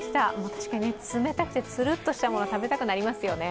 確かに冷たくてつるっとしたもの食べたくなりますよね。